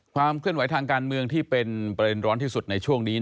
ความเคลื่อนไหวทางการเมืองที่เป็นประเด็นร้อนที่สุดในช่วงนี้